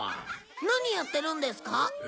何やってるんですか？